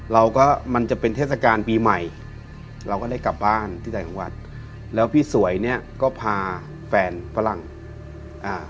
มันก็มันจะเป็นเทศกาลปีใหม่เราก็ได้กลับบ้านที่ใจของวัดแล้วพี่สวยเนี้ยก็พาแฟนฝรั่งอ่า